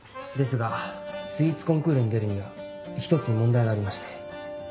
ですがスイーツコンクールに出るには一つ問題がありまして。